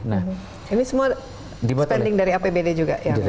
nah ini semua di spending dari apbd juga ya